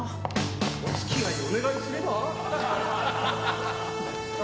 お付き合いお願いすれば？